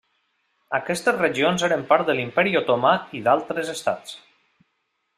Aquestes regions eren part de l'Imperi Otomà i d'altres estats.